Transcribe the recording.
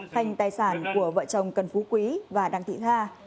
thành tài sản của vợ chồng cần phú quý và đặng thị nga